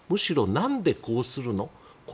むしろ、なんでこうするの？